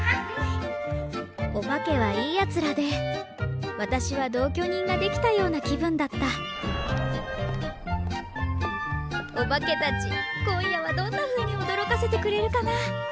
お化けはいいやつらで私は同居人ができたような気分だったお化けたち今夜はどんなふうにおどろかせてくれるかな？